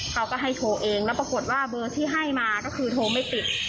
เขาก็ให้โทรเองแล้วปรากฏว่าเบอร์ที่ให้มาก็คือโทรไม่ติด